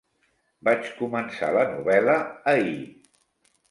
Vaig començar la novel·la ahir.